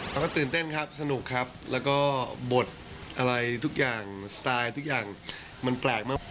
แล้วก็ตื่นเต้นครับสนุกครับแล้วก็บทอะไรทุกอย่างสไตล์ทุกอย่างมันแปลกมาก